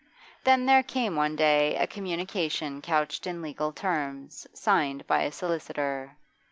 Then there came one day a communication couched in legal terms, signed by a solicitor.